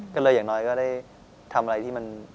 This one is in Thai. ก็เลยอย่างน้อยก็ได้ทำอะไรที่มัน